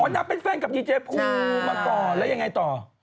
นางเป็นแฟนกับดีเจภูมิมาก่อนแล้วยังไงต่อ